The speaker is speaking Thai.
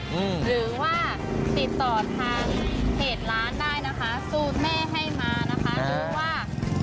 หรือว่าติดต่อทางเพจร้านได้นะคะสูตรแม่ให้มานะคะรู้ว่า